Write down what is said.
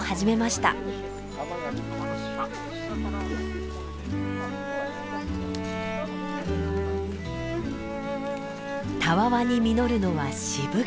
たわわに実るのは渋柿。